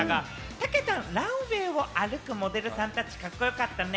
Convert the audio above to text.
たけたん、ランウェイを歩くモデルさんたち、カッコよかったね！